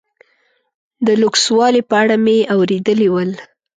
د لوکسوالي په اړه مې اورېدلي ول.